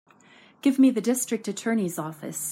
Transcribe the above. Give me the District Attorney's office.